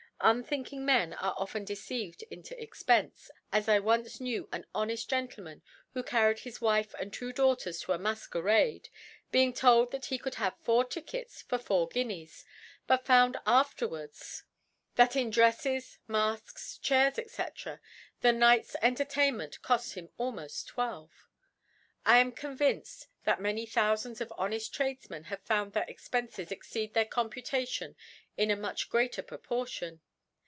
Unthinking Men are often deceived into Expence, as I once knew an honeft Gentleman who carried his Wife and two Daughters to a Mafquerade, being told that he could have four Tickets for four Guineas; but found afterwards, that in Dreffes, Mafqucs, Chairs, ^c* the Night's Entertainment coft him almoft Twelve. I am convinced, that many thou lands of honeft Tradefmen have found their Expences exceed their Computation in a much greater Proportion.